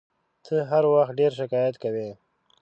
ته هر وخت ډېر شکایت کوې !